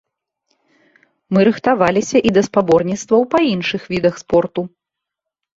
Мы рыхтаваліся і да спаборніцтваў па іншых відах спорту.